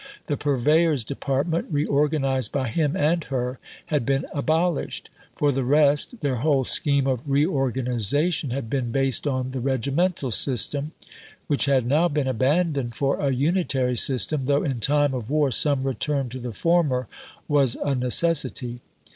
The Purveyor's Department, reorganized by him and her, had been abolished. For the rest, their whole scheme of reorganization had been based on the regimental system, which had now been abandoned for a unitary system, though in time of war some return to the former was a necessity.